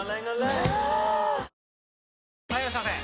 ぷはーっ・はいいらっしゃいませ！